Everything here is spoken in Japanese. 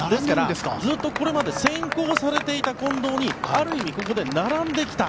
ずっとこれまで先行されていた近藤にある意味ここで並んできた。